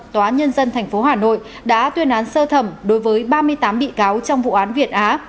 tòa nhân dân tp hà nội đã tuyên án sơ thẩm đối với ba mươi tám bị cáo trong vụ án việt á